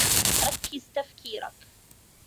ركّزِ تفكيركِ.